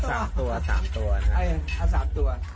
อ่า๓ตัวอ่า๓ตัว๓ตัวนะครับอ่า๓ตัว